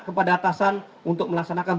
kepada atasan untuk melaksanakan